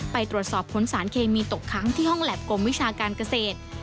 ไปตรวจสอบค้นสารเคมีตกค้างที่ห้องแล็บกรมวิชาการเกษตร